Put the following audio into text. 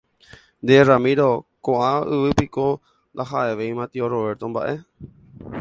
Nde Ramiro, ko'ã yvy piko ndaha'evéima tio Roberto mba'e.